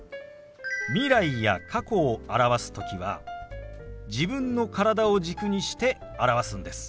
未来や過去を表す時は自分の体を軸にして表すんです。